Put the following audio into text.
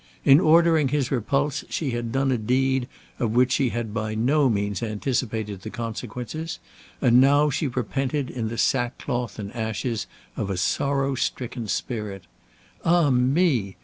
In ordering his repulse she had done a deed of which she had by no means anticipated the consequences, and now she repented in the sackcloth and ashes of a sorrow stricken spirit. Ah me!